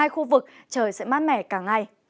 khu vực trời sẽ mát mẻ cả ngày